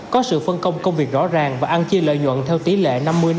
có sự phân công công việc rõ ràng và ăn chia lợi nhuận theo tỷ lệ năm mươi năm mươi